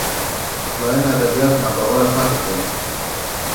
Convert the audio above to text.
پخلاینې ادبیات ناباوره پاتې شول